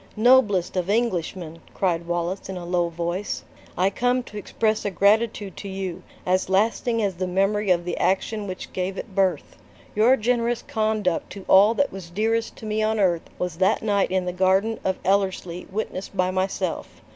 "Noblest of Englishmen!" cried Wallace, in a low voice, "I come to express a gratitude to you, as lasting as the memory of the action which gave it birth. Your generous conduct to all that was dearest to me on earth was that night in the garden of Ellerslie witnessed by myself.